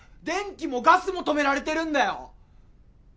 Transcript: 電気もガスも止められてるんだよ！？